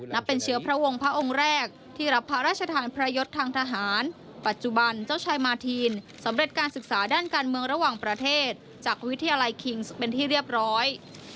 นับเป็นเชื้อพระวงศ์พระองค์แรกที่รับพระราชทานพระยศทางทหารปัจจุบันเจ้าชายมาทีนสำเร็จการศึกษาด้านการเมืองระหว่างประเทศจากวิทยาลัยคิงส์เป็นที่เรียบร้อย